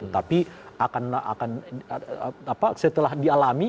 tapi setelah dialami